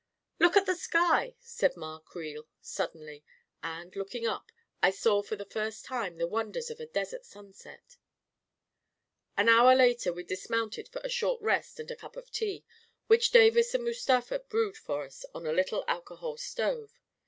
" Look at the sky! " said Ma Creel suddenly, and, looking up, I saw for the first time, the wonders of a desert sunset ... An hour later, we dismounted for a short rest and a cup of tea, which Davis and Mustafa* brewed for us on a little alcohol stove.